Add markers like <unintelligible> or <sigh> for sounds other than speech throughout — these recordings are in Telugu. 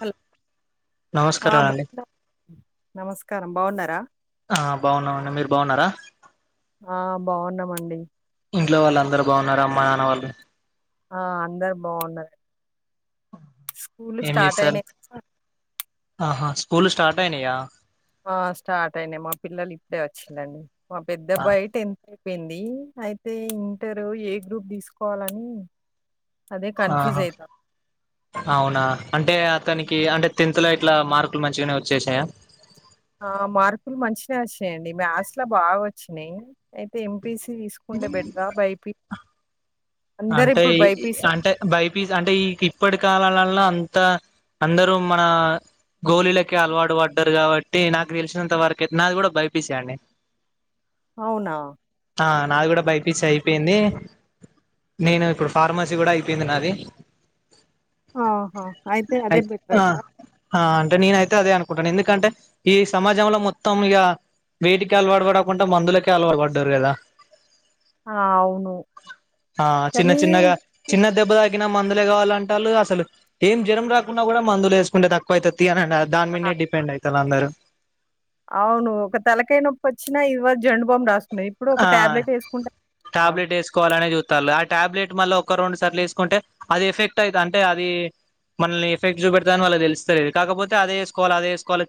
హలో ఆ నమస్కారం అండి బాగున్న నమస్కారం బాగున్నారా ఆ బాగున్నామండి మీరు బాగున్నారా ఆ బాగున్నామండి ఇంట్లో వాళ్ళు అందరు బాగున్నారు అమ్మా నాన్న వాళ్ళు ఆ అందరు బాగున్నారం స్కూలు ఏం స్టార్ట్ చేస్తారు అయినాయి ఆహా స్కూల్ స్టార్ట్ అయినాయా ఆ స్టార్ట్ అయినాయి మా పిల్లలు ఇప్పుడే వచ్చిలండి మా పెద్ద ఆ, అబ్బాయి టెన్ అయిపోయింది అయితే ఇంటరు ఏ గ్రూప్ తీసుకోవాలని అదే కన్ఫ్యూజ్ ఆహా అయితా అవునా అంటే అ తనికి అంటే టెన్త్ లో ఇట్లా మార్కులు మంచిగానే వచ్చేసాయా ఆ మార్కులు మంచిగానే వచ్చాయండి మ్యాథ్స్ లో బాగా వచ్చినాయి అయితే ఎం పిసి తీసుకుంటే బెట్రా బైపి అంటే ఇ అంటే బైపీ అంటే ఈ ఇప్పటి కాలాలల్ల అన్ త అందరూ మన గోలీలకే అలవాటు పడ్డారు కాబట్టి నాకు తెలిసినంత వరకైతే నాది కూడా బైపిసేయండి అవునా ఆ నాకు కూడా బైపిసి అయిపోయింది నేను ఇప్పుడు ఫార్మసీ కూడా అయిపోయింది నాది ఆహా అదే అయితే బెటర్ అ అంటారా ఆ అంటే నేనైతే అదే అనుకు కుంటానా ఎందుకంటే ఈ సమాజంల మొత్తం ఇగ వేటికి అలవాటు పడకుండా మందులకే అలువాటు పడ్డారు కదా ఆ అవును ఆ చిన్న కానీ చిన్నగా చిన్న దెబ్బ త తగిన మందులే కావాలంటళ్ళు అసలు ఏం జ్వరం రాకుంన్నా కూడా మందులేసుకుంటే తక్కువైతతి అని అం దా దాని ఆ మీన్నే డిపెండ్ అవుతాళ్ళు అందరు అవును ఒక తలకయ నొప్పి వచ్చినా ఇదిగో జండు బామ్ రాసు ఆ టాబ్లెట్ వేసుకోవాలనే చూస్తాళ్ళు ఆ టాబ్లెట్ మళ్ళ ఒక రెండు సాట్ల ఎసుకుంటే అది ఎఫెక్ట్ అవుత అంటే అది మనల్ని ఎఫెక్ట్ చూపెడుతది అని వాళ్ళకి తెలుస్తాలేదు కాకపోతే అదేసుకోవాలి అదేసుకోవాలి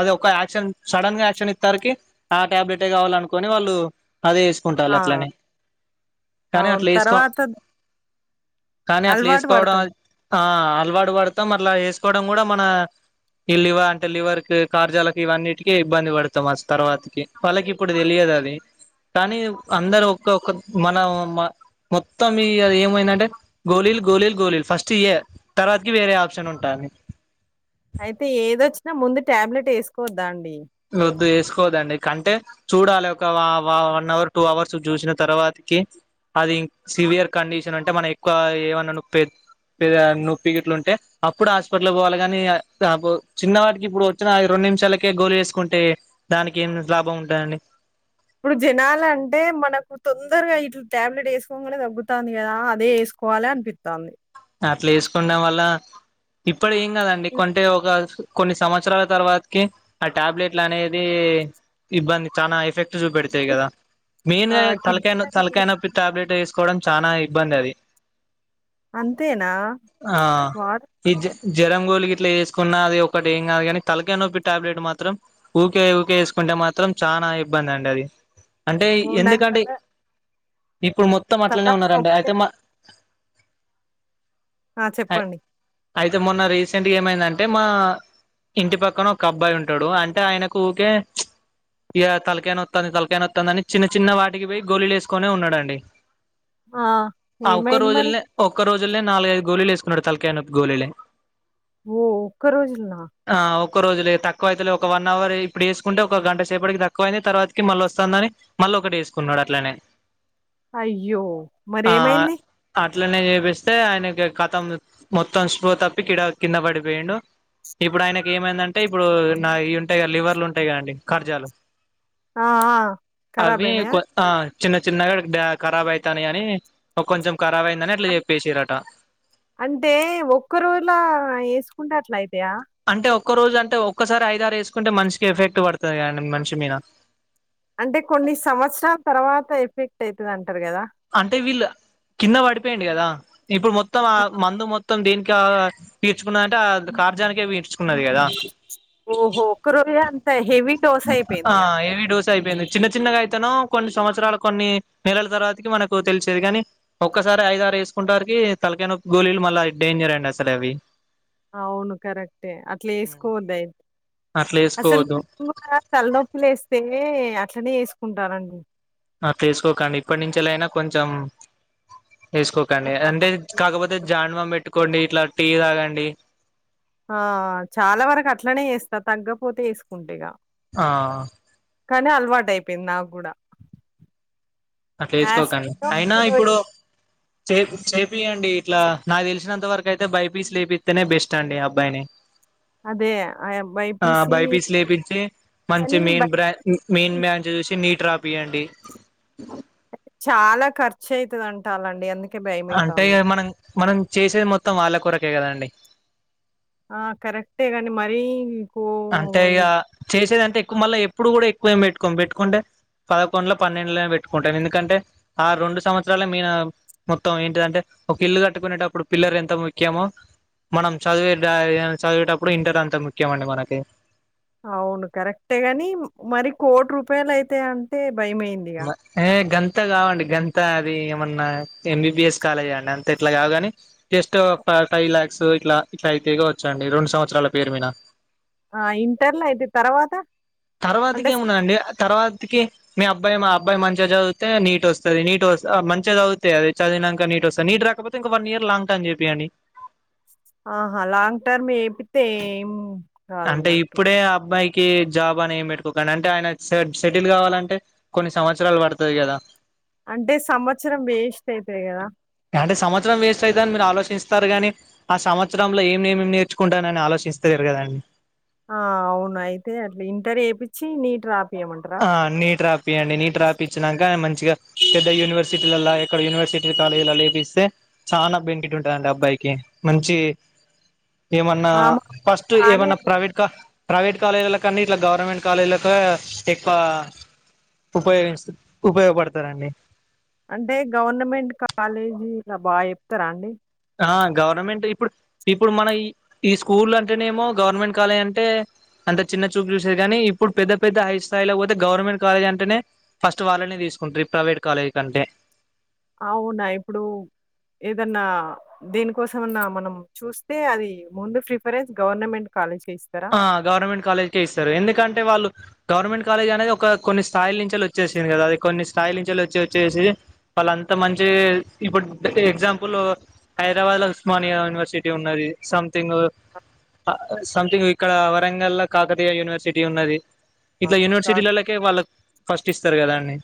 అది ఒక యాక్షన్ సడన్ గా యాక్షన్ ఇత్తరుకి ఆ ట్యాబ్లెటే కావాలనుకోని వాళ్ళు అదే ఎసుకుంటాళ్ళు ఆ! అట్లని కానీ అవును. అట్లా ఎసుకో తర్వాత కానీ అట్లా అలవాటు ఎసుకోవడం పడతాం. ఆద్ అలవాటు పడుతం అట్లా ఎస్ కోవడం కూడా మన ఈలివ అంటే లివర్ కు కార్జాలకు ఇవన్నిటికి ఇబ్బంది పడుతాం తర్వాతకి వాళ్ళకి ఇప్పుడు తెలియదు అద్ ది కానీ ఆ! అందరు ఒక్క ఒక మనం మ మొత్తం ఇ ఏమైందంటే గోలీలు గోలీలు గోలీలు ఫస్ట్ ఇయ్యే తర్వాతికి వేరే అప్షన్ ఉంటంది అయితే ఏదొచ్చినా ముందు టాబ్లెట్ వేసుకోవద్దా అండి వద్దు ఎస్ కోదండి కంటే చూడాలి ఒక వ వన్ అవర్ టూ అవర్స్ చూసిన తర్వాతకి అది సివియర్ కండిషన్ అంటే మన ఎక్కువ ఏమన్నా నోప్పే నొప్పిగిట్ల ఉంటే అప్పుడు హాస్పిటల్ పోవాలి కానీ చిన్నవాటికి ఇప్పుడు వచ్చిన రెండు నిమిషాలకే గోలి వేసుకుంటే దానికి ఏం లాభం ఉంటుందండి ఇప్పుడు జనాాల అంటే మనకు తొందరగా ఇట్ల టాబ్లెట్ వేసుకోనే తగ్గుతాంది కదా అదే ఎస్ కోవాలి అనిపితాంది అట్లా వేసుకోండం వల్ల ఇప్పుడు ఏం కాదండి కొంటే ఒక కొన్ని సంవత్సరాల తర్వాతకి ఆ టాబ్లెట్లు అనేది ఇబ్బంది చాలా ఎఫెక్ట్ చూపెడతాయి కదా ఆ! మెయిన్గా తలకా కిడ్నీల మీద తలకా నొప్పి టాబ్లట్ వే కోవడం చానా ఇబ్బంది అది అంతేనా వా జ్వరంగోలి ఇట్లా వేసుకున్న అది ఒకటి ఏం కాదు కానీ తలకాయి నొప్పి టాబ్లెట్ మాత్రం ఊకే ఊకేసుకు ఉంటే మాత్రం చానా ఇబ్బంది అండి అది అంటే ఓహ్! నాకు ఎందుకంటె తల ఇప్పుడు మొత్తం తల అట్లనే ఉన్నారండి నొప్పి అయితే మా ఆ చెప్పండి అయితే మొన్న రీసెంట్గా ఏమైందంటే మా ఇంటి పక్కన ఒక అబ్బాయి ఉంటాడు అంటే ఆయనకు ఊకే ఇగ తలకైనతుంది తలకైనత్తాంది అని చిన్న చిన్న వాటికి పోయి గోలీలు వేసుకొనే ఉన్నాడండి ఆ! ఆ ఒక్క ఏమైంది మరి? రోజుల్లనే ఒ ఒక రోజుల్లోనే నాలుగైదు గోలీలేకున్నాడు తలకాయి నొప్పి గోలిలే ఓ ఒక్క రోజులోనా ఒక్క రోజులే తక్కువ అయితలే ఒక వన్ అవర్ ఇప్పుడేసుకుంటే ఒక గంట సేపటికి తక్కువ అయింది తర్వాతకి మళ్ళీ వస్తాందని మళ్ ఒకటి వేసుకున్నాడు అట్లనే అయ్యో ఆ మరేమైంది అట్లనే చేపిస్తే ఆయనకి కతం మొత్తం స్పృహ తప్పి కిడ కింద పడిపోయిండు ఇప్పుడు ఆయనకి ఏమైందంటే ఇప్పుడు నా ఇ ఉంటాయి కదా లివర్లు ఉంటాయి కదండి ఖర్జాలు ఆ ఆ కరాబ్ అవి అయినయా కొ ఆ చిన్న చిన్నగా డ ఖరాబ్ అయితానయని కొంచెం ఖరాబ్ అయిందని అట్లా చె అంటే ఒక్క రోజులా ఎసుకుంటే అట్ల అయితయా అంటే ఒక్క రోజు అంటే ఒక్కసారి ఐదారు వేసుకుంటే మనిషికి ఎఫెక్ట్ పడుతది కదండి మనిషి మీన అంటే కొన్ని సంవత్సరాల తర్వాత ఎఫెక్ట్ అయితదం అంటే వీళ్ళు కింద పడిపొయిండి కదా ఇప్పుడు మొత్తం ఆ మందు మొత్ మొత్తం దీనికా పీర్చుకున్నంటే ఆ కార్జానికే పీర్చుకున్నది కదా ఓహో ఒక్క రోజే అంత హెవీ డోస్ ఆ అయిపోయింది ఇగ హెవీ డోస్ అయిపోయింది చిన్న చిన్నగా కొన్ని సంవత్సరాలు కొన్ని నెలల తర్వాత్ మనకు తెలిసేది కాని ఒక్కసారి ఐద ఆరు వేసుకుంట వరికి తలకాయి నొప్పి గోలీలు మళ్ళా డేంజర్ అండి అసలు అవి అవును కరెక్టే అట్లా వేసుకోవద్దయి అట్లా అసలు వేసుకోవద్దు నేను కూడా తలనొప్పి లేస్తే అట్లనే వేసుకుంటానండి అట్ల వేసుకోకండి ఇప్పటి నుంచి లే అయినా కొంచెం వేసుకోకండి ఆ అంటే కాకపోతే జాన్డు బాంబ్ పెట్టుకోండి ఇట్లా టీ తాగండి ఆ చాలా వరకు అట్లనే చేస్తా తగ్గపోతే వేసుకుంటీగా ఆ అయిపోయింది నాగూడా అట్లా ఎసుకోకండి అయినా ఏదో ఇప్పుడు చే చేపియండి ఇట్లా నాకు తెలిసినంత వరకు అయితే బైపీస్ లేపిస్తేనే బెస్ట్ అండి అబ్బాయిని అదే ఆ బైపీసి బైపీస్ లేపించి మంచి అని బై మెయిన్ బ్రాం మెయిన్ మ చూసి నీట్ రాపియండి చాలా ఖర్చు అయితది అంటాలండి ఎందుక అంటే ఇగ మనం మనం చేసేది మొత్తం వాళ్ళ కొరకే కదండి ఆ కరెక్టే గాని మరీ కో అంటే ఇగ ఎ చేసేదంటే ఎక్కువ మళ్ళ ఎప్పుడు కూడా ఎక్కువేమి పెట్టుకోమ్ పెట్టుకుంటే పదకొండుల పన్నెండుల పెట్టుకుంటాం ఎందుకంటే ఆ రెండు సంవత్సరాల మీన మొత్తం ఏంటిదంటే ఒక ఇల్లు కట్టుకునేటప్పుడు పిల్లర్ ఎంత ముఖ్యమో మనం చదివే చదివేటప్పుడు ఇంటర్ అంతా ముఖ్యం అండి మనకి అవును కరెక్టే గాని మరి కోటి రూపాయలు అయితే అంటే భయమైందిగ. ఏ గంత అంత కావండి గంత అది ఏమన్నా ఎంబీబిఎస్ కాలేజ అండి అంత ఇట్లా కావుగాని జస్ట్ ఒక ఫైవ్ ల్యాక్స్ ఇట్లా ఇట్లా అయితగా వచ్చండి రెండు సంవత్సరాల పేరు మీద ఆ ఇంటర్లో అయితే తర్వాత అంటే తర్వాతకి స్ ఏమున్నదండి తర్వాత కి మీ అబ్బాయి మా అబ్బాయి మంచిగా చదివితే నీట్ వస్తది నీట్ వ మంచిగా చదువుతే అది చదివినాక నీ వస్తా నీట్ రాకపోతే ఇంక వన్ ఇయర్ లాంగ్ టర్మ్ చేపియండి ఆహా లాంగ్ టర్మ్ ఎపిత్తే ఎమో అంటే ఇప్పుడే ఆ అబ్బాయికి కి జాబ్ అని ఏం పెట్టుకోకండి అంటే ఆయన సెటిల్ కావాలంటే కొన్ని సంవత్సరాలు పడుతది కదా అంటే సంవత్సరం వేస్ట్ అయితది కదా అంటే సంవత్సరం వేస్ట్ అయిత అని మీరు ఆలోచిస్తారు గానీ ఆ సంవత్సరంలో ఏమేమి నేర్చుకుంటారు అని ఆలోచిస్తలేరు కదండి ఆ అవును అయితే అట్లా ఇంటర్ చేపిచ్చి నీట్ రా ఆ నీట్ రాపియండి నీట్ రాపిచ్చి నాక మంచి మంచిగా పెద్ద యూనివర్సిటీలలా ఎక్కడ యూనివర్సిటీ కాలేజీలో లేపిస్తే చాలా బెనిఫిట్ ఉంటదంట అబ్బాయికి కే మంచి ఏమన్నా ఆ! మా అబ్బాయి ఫస్ట్ బానే ఏమన్నా ప్రైవేట్ క ప్రైవేట్ కాలేజీల కన్నా ఇట్లా గవర్నమెంట్ కాలేజీలకు ఎక్కువ ఉపయోగించు ఉపయోగపడతారండి అంటే గవర్నమెంట్ కాలేజీ ఇలా బాగా చెప్తారా అండి ఆ గవర్నమెంట్ ఇప్పుడు ఇప్పుడు మన ఈ ఈ స్కూల్ అంటేనేమో గవర్నమెంట్ కాలేజ్ అంటే అంత చిన్న చూపు చూసేది కానీ ఇప్పుడు పెద్ద పెద్ద హై స్థాయిలో పోతే గవర్నమెంట్ కాలేజ్ అంటేనే ఫస్ట్ వాళ్ళని తీసు తీసుకుంట ప్రైవేట్ కాలేజ్ కంటే అవునా ఇప్పుడు ఏదన్నా దేనికోసమన్నా మనం చూస్తే అది ముందు ప్రిఫరెన్స్ గవర్నమెంట్ కాలేజ్ ఆ గవర్నమెంట్ కాలేజ్కే ఇస్తారు ఎందుకంటే వాళ్ళు గవర్నమెంట్ కాలేజ్ అనేది ఒక కొన్ని స్థాయిల నుంచి వచ్చేసింది కదా అది కొన్ని స్థాయిల నుంచి వచ్చి వచ్చేసి వాళ్ళ అంత మంచి ఇప్పుడు ఎగ్జాంపుల్ హైదరాబాద్ లో ఉస్మానియా యూనివర్సిటీ ఉన్నది థింగ్ సంథింగ్ ఇక్కడ వరంగల్ లో కాకతీయ యూనివర్సిటీ ఉన్నది ఆ! ఇట్లా కా యూనివర్సిటీలలోకే వాళ్ళ ఫస్ట్ ఇస్తారు కదా అండి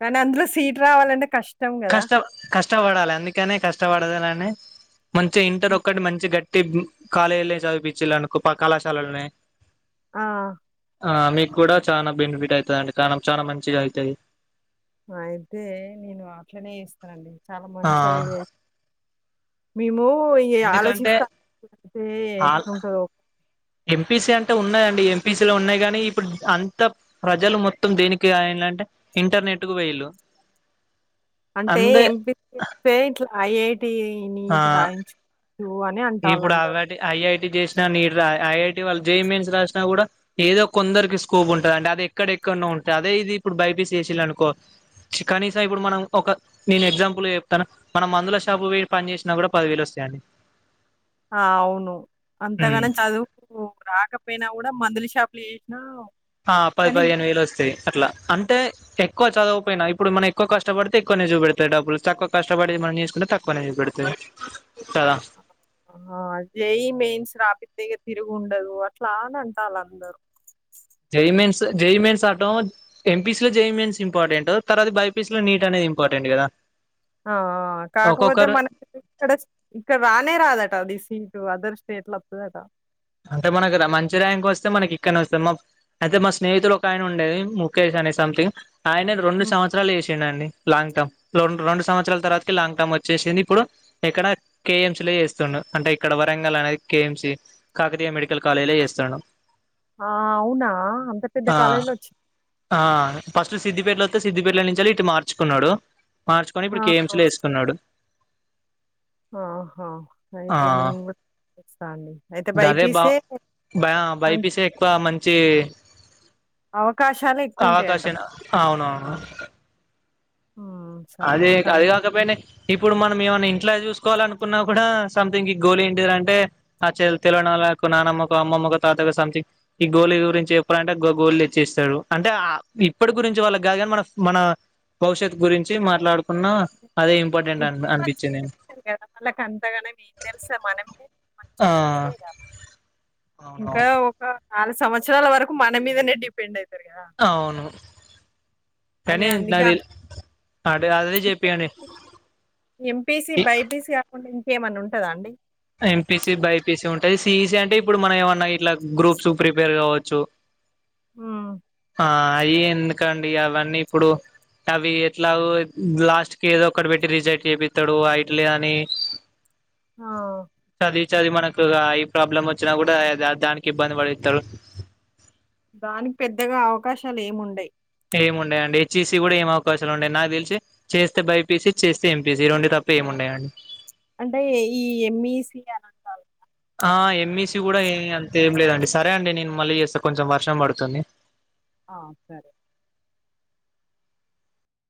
కానీ అందులో సీటు రావాలంటే కష్టం గదా! కష్ట కష్టపడాలి అందుకనే కష్టపడదులని మంచిగా ఇంటర్ ఆ! ఒక్కటి మంచి గట్టి కాలేజీలో చదివిపిచిలునుకో కళాశాలలనే ఆ ఆ మీకు కూడా చాలా బెనిఫిట్ అయితదండి కణం చానా మంచిగా అయితది అయితే నేను అట్లనే చేస్తనండి చాలా ఆ మంచి ఐడియా మేము ఏ ఎందుకంటే ఆలోచిస్తా అయితే ఎటుంటదొ ఎంపీసి అంటే ఉన్నాదండి ఎంపీసి లో ఉన్నాయి గానీ ఇప్పుడు అంత ప్రజలు మొత్తం దేనికి ఆయన అంటే ఇంటర్నెట్ కు పోయిలు అంటే ఎంపీసి చేస్తే ఇట్లా ఐఐటి ఆ నీట్ రాయించు ఇప్పుడు అవటి ఐఐటి తీసుకొని ఐఐటీ వాళ్లు జేఈఈ మెయిన్స్ రాాసిన కూడా ఏదో కొందరికి స్కోప్ ఉంటది అది ఎక్కడెక్కడనో అదే ఇది ఇప్పుడు బైపిసి చేసిండనుకో కనీసం ఇప్పుడు మనం ఒక నేను ఎగ్జాంపుల్ గ చెప్తాన మనం మందుల షాపుకి పొయి పని చేసినా కూడా పదివేలు వస్తాయండి అవును అంతగాన చదువు రాకపోయినా కూడా మందుల షాపు ప్లేష్నా <unintelligible> ఆ పది పదిహేను వేలు వస్తాయి అట్లా అ ఎక్కువ చదువకపోయిన ఇప్పుడు మనం ఎక్కువ కష్టపడితే ఎక్కువనే చూపెడతయి డబ్బులు తక్కువ కష్టపడి మనం తీసుకుంటే తక్కువ పని పెడితే ఆ జెఈఈ మెయిన్స్ రాపితే తిరుగుండదు అట్లా అని అంటాల అందరూ JEE mains J E E mains రాటం ఎంపీసి లో J E E mains important తర్వాత బైపీసి లో నీట్ అనేది ఇంపార్టెంట్ కదా ఆ ఆ కాకపోతే ఒక్కొక్కరు మనకి ఇక్కడ ఇక్కడ రానే రాదట అ దసి అదర్ స్టేట్ లో వతదట అంటే మనకి మంచి ర్యాంక్ వస్తే మనకి ఇక్కడనే వస్తదమ్మా అయితే మా స్నేహితుడు ఒక ఆయన ఉండే ముఖేష్ అని అ సంథింగ్ ఆయన రెండు హ్మ్. సంవత్సరాలు చేసిండండి లాంగ్ టర్మ్ రం రెండు సంవత్సరాల తర్వాతకి లాంగ్ టర్మ్ వచ్చేసింది ఇప్పుడు ఇక్కడ కేఎంసీ లొ చేస్తున్డు అంటే ఇక్కడ వరంగల్ అనేది కేఎంసీ కాకతీయ మెడికల్ కాలేజీలో చేస్తుండు ఆ! అవునా? అంత పెద్ద ఆ కాలేజ్‌లో వచ్చి ఆ ఫస్ట్ సిద్ధిపేటలో సిద్ధిపేట లొ నుంచెలి ఇటు మార్చుకున్నాడు మార్చుకొని ఇప్పుడు కేఎంసి ఆహా! లో చేస్తున్నాడు ఆహా అయితే నేను కూడా చేస్తా అండి దదే బా బైపీసే బ మంచి బైపిసి ఎక్కువ మంచి అవకాశాలే అవకాశ ఎక్కువుంటాయంటారు. అవునవును హ్మ్. సరే. అదే అది కానీ కాకపోయినా ఇప్పుడు మనం ఏమన్నా ఇంట్లో చూసుకు కోవాలనుకున్నా కూడా సంథింగ్ ఈ గోల్ ఏంటిది రా అంటే ఆ తెలవనోళ్లకు నానమ్మకు అమ్మమ్మకు తాతయ్యకు సంథింగ్ ఈ గోల్ గురించి చెప్పురా అంటే గోల్ తెచ్చిస్తరు అంటే ఇప్పటి గురించి వాళ్ళకి కాదుగాని మన మన భవిష్యత్ గురించి మాట్లాడుకున్న అదే ఇంపార్టెంట్ అని అనిపించింది నేను కదా వాళ్ళకి అంతగాన నేం తెలుసా మనమే ఆ మంచిది చూసేగా. ఇంకా అవునవును ఒక నాలుగు సంవత్సరాల వరకు మన మీదనే డిపెండ్ అయిద్ది అవును అదే కానీ అందుకే ఆ నాది అంటే అద చెప్పియండి ఎంపీసీ బైపీసి కాకుండా ఇంకేమన్నా ఉంటదా అండి ఎంపీసి బైపీసి ఉంటది సిఈసి అంటే ఇప్పుడు మనం ఏమన్నా ఇట్లా గ్రూప్స్ ప్రిపేర్ కావచ్చు అ ఆ ఎందుకండి అవన్నీ ఇప్పుడు అవి ఎట్లాగు లాస్ట్ కి ఏదో ఒకటి పెట్టి రిజెక్ట్ చేపితడు అఐట్లే అని ఆ! చదివి చదివి మనకు ఐ ప్రాబ్లం వచ్చినా గుడా దానికి ఇబ్బంది పడేస్తడు. దానిక్ పెద్దగా అవకాశాలేం ఉండయి. ఏం ఉండయండి. హెచ్ఈసీ గుడ ఏం అవకాశాల్ ఉండయి. నాక్ తెల్సి చేస్తే బైపీసి చేస్తే ఎంపీసి ఈ రెండు తప్ప ఏముం డ అం అంటే ఈ ఎంఈసి అని అంటాన్లు ఆ ఎంఈసీ గుడా ఏ అంత ఏం లేదండి సరే అండి నేను మళ్ళీ చేస్తా కొంచం వర్షం పడుతుంది. ఆ సరే